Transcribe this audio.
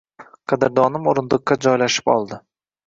Qadrdonim oʻrindiqqa joylashib oldi.